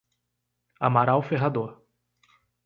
Amaral Ferrador